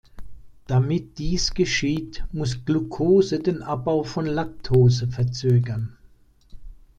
Damit dies geschieht, muss Glucose den Abbau von Lactose verzögern.